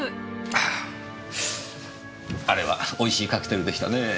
あああれは美味しいカクテルでしたねぇ。